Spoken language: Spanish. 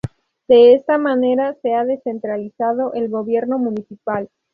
De esta manera se ha descentralizado el gobierno municipal.